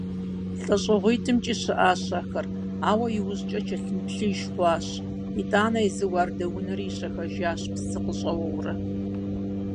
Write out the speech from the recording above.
ЛӀэщӀыгъуитӀкӀэ щыӀащ ахэр, ауэ иужькӀэ кӀэлъымыплъыж хъуащ, итӀанэ езы уардэунэри ищэхэжащ псы къыщӀэуэурэ.